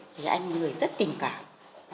thì anh là một người rất tình cảm